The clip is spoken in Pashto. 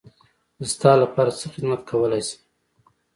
زه ستا لپاره څه خدمت کولی شم.